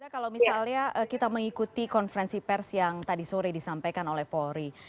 kalau misalnya kita mengikuti konferensi pers yang tadi sore disampaikan oleh polri